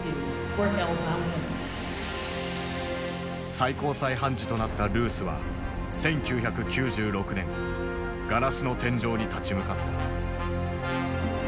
最高裁判事となったルースは１９９６年ガラスの天井に立ち向かった。